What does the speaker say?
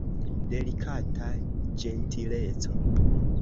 Delikata ĝentileco!